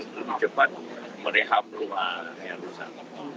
lebih cepat merehab rumah yang rusak